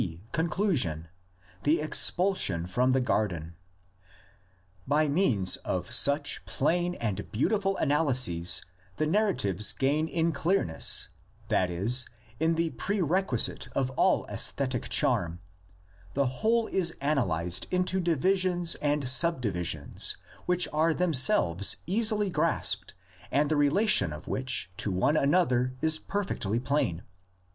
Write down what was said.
Conclusion: the expulsion from the garden. By means of such plain and beautiful analyses the narratives gain in clearness, that is, in the prerequi site of all aesthetic charm: the whole is analysed into divisions and subdivisions which are themselves easily grasped and the relation of which to one another is perfectly plain.